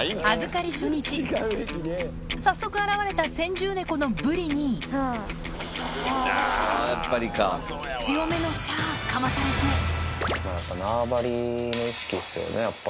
早速現れた先住猫のぶりに強めの「シャ」かまされて縄張の意識っすよねやっぱ。